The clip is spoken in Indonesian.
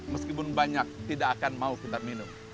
meskipun banyak tidak akan mau kita minum